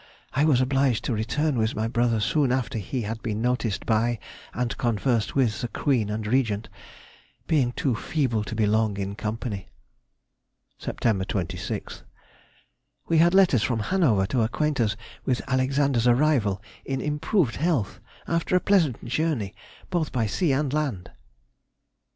I was obliged to return with my brother soon after he had been noticed by and conversed with the Queen and Regent, being too feeble to be long in company. Sept. 26th.—We had letters from Hanover to acquaint us with Alexander's arrival in improved health, after a pleasant journey both by sea and land.